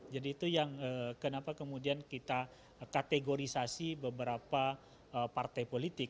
jadi itu yang kenapa kemudian kita kategorisasi beberapa partai politik